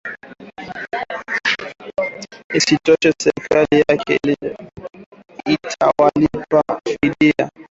Isitoshe serikali yake itawalipa fidia ya shilingi milioni moja baada ya kuwaachilia huru